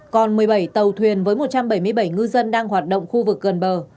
còn một mươi bảy tàu thuyền với một trăm bảy mươi bảy ngư dân đang hoạt động khu vực gần bờ